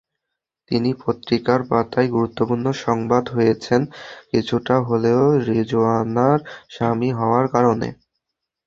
তিনি পত্রিকার পাতায় গুরুত্বপূর্ণ সংবাদ হয়েছেন কিছুটা হলেও রিজওয়ানার স্বামী হওয়ার কারণে।